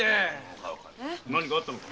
何かあったのか？